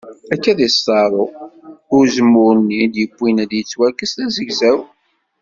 Akka i as-tḍerru i uzemmur-nni i d-yewwin ad yettwakkes d azegzaw.